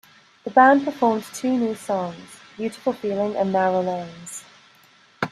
The band performed two new songs, "Beautiful Feeling" and "Narrow Lanes".